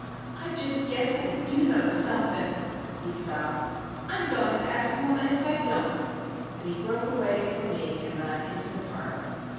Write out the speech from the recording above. "I just guess I do know sompfin'," he sobbed. "I'm going to ask mamma if I don't." And he broke away from me, and ran into the parlour.